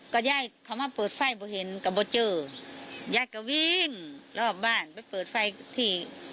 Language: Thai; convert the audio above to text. ก็อย่าทำซะได้แบบรักษณะที่ครองเท่าไหร่